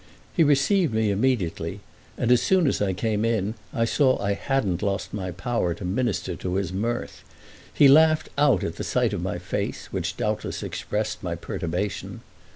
He received me immediately, and as soon as I came in I saw I hadn't lost my power to minister to his mirth. He laughed out at sight of my face, which doubtless expressed my perturbation.